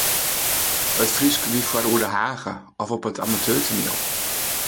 It Frysk wie foar oer de hage of op it amateurtoaniel.